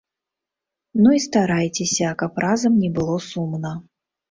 Ну і старайцеся, каб разам не было сумна.